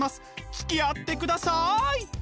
つきあってください！